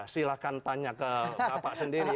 silahkan tanya ke bapak sendiri